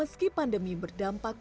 dan kegiatan kita juga berubah menjadi